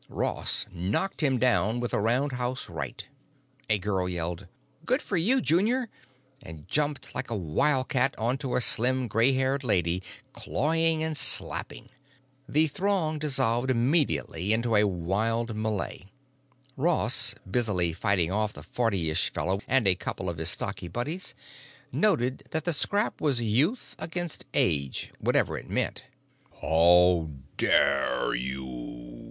Ross knocked him down with a roundhouse right. A girl yelled, "Good for you, Junior!" and jumped like a wildcat onto a slim, gray haired lady, clawing, and slapping. The throng dissolved immediately into a wild melee. Ross, busily fighting off the fortyish fellow and a couple of his stocky buddies, noted only that the scrap was youth against age, whatever it meant. "How dare you?"